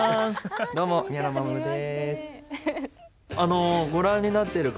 どうも、宮野真守です。